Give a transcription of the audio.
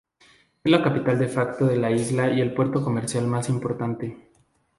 Es la capital de facto de la isla y el puerto comercial más importante.